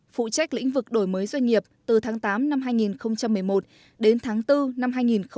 phụ trách lĩnh vực đổi mới doanh nghiệp từ tháng tám năm hai nghìn một mươi một đến tháng bốn năm hai nghìn một mươi chín